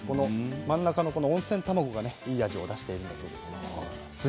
真ん中の温泉卵がいい味を出しているんです。